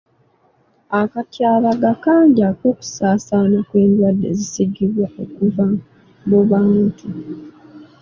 Akatyabaga kangi ak'okusaasaana kw'endwadde ezisiigibwa okuva ku bantu.